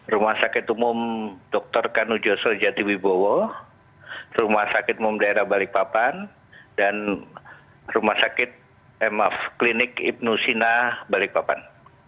rumah sakit umum dr kanu joso jati wibowo rumah sakit umum daerah balikpapan dan rumah sakit mf klinik ibnu sina balikpapan